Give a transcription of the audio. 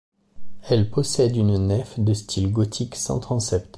Elle possède une nef de style gothique sans transept.